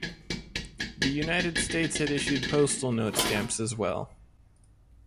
The United States had issued postal note stamps as well.